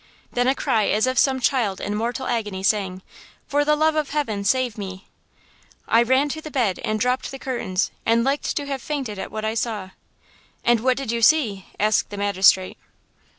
then a cry as of some child in mortal agony, saying: "'For the love of Heaven, save me!' "I ran to the bed and dropped the curtains and liked to have fainted at what I saw!" "And what did you see?" asked the magistrate.